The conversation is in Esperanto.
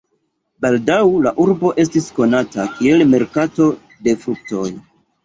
Baldaŭ la urbo estis konata kiel merkato de fruktoj.